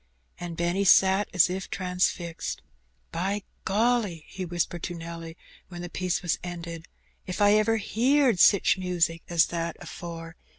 And Benny sat as if transfixed. " By golly !" he whispered to Nelly, when the piece was ended, "if I ever heerd sich music as that afore.